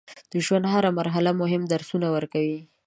د ژوند هره مرحله مهم درسونه ورکوي.